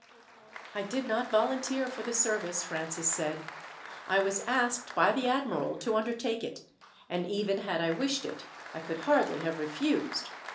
"I did not volunteer for the service," Francis said. "I was asked by the admiral to undertake it, and even had I wished it, I could hardly have refused.